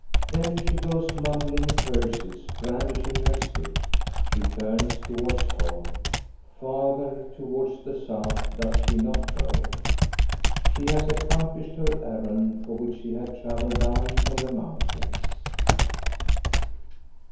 Then she goes, mumbling curses, brandishing her stick. She turns towards home. Farther towards the south does she not go. She has accomplished her errand, for which she had travelled down from the mountains.